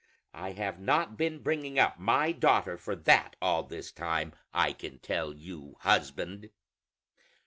I have not been bringing up my daughter for that all this time, I can tell you, husband.